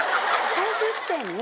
最終地点に。